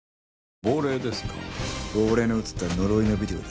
亡霊の映った呪いのビデオだ。